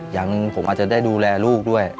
อย่างผมอาจจะได้ดูแลลูกด้วย